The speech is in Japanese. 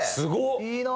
いいな！